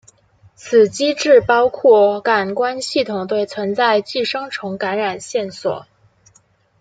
此机制包括感官系统对存在寄生虫感染线索。